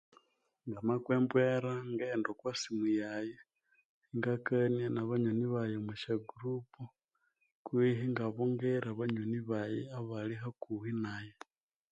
Namakwa embwera ngaghenda okwasimu yayi ingakania na banywani bayi omwa syagurupu kwihi ingabungira banywani bayi abali hakuhi nayi